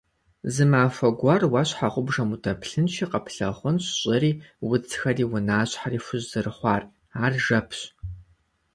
Зы махуэ гуэр уэ щхьэгъубжэм удэплъынщи къэплъагъунщ щӏыри, удзхэри, унащхьэри хужь зэрыхъуар, ар жэпщ.